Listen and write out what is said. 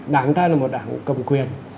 đảng ta là một đảng cầm quyền